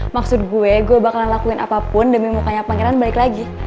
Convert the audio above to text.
maksud gue gue bakalan lakuin apapun demi mukanya pangeran balik lagi